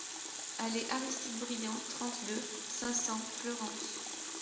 Allées Aristide Briand, trente-deux, cinq cents Fleurance